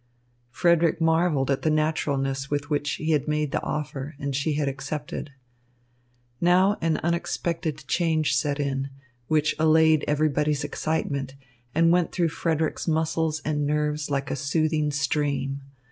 Frederick marvelled at the naturalness with which he had made the offer and she had accepted. Now an unexpected change set in, which allayed everybody's excitement and went through Frederick's muscles and nerves like a soothing stream.